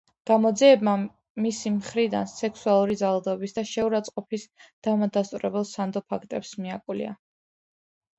გამოძიებამ მისი მხრიდან სექსუალური ძალადობის და შეურაცხყოფის „დამადასტურებელ, სანდო“ ფაქტებს მიაკვლია.